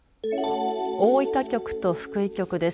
大分局と福井局です。